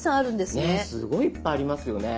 ねえすごいいっぱいありますよね。